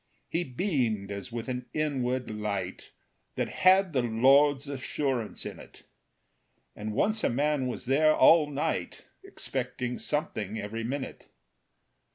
He beamed as with an inward light That had the Lord's assurance in it; And once a man was there all night, Expecting something every minute.